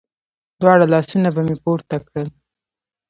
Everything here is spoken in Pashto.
دواړه لاسونه به مې پورته کړل.